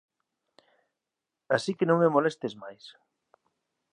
Así que non me molestes máis».